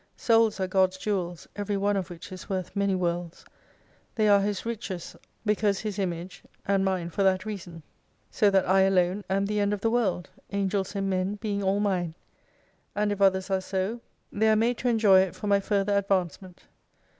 Souls are God's jewels, every one of which is worth many worlds. They are His riches because His image, and mine for that reason. So that I alone am the end of the World : Angels and men being all mine. And if others are so, they are made to lo enjoy it for my further advancement.